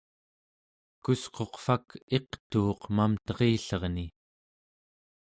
kusquqvak iqtuuq mamterillerni